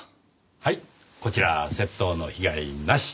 はいこちら窃盗の被害なし！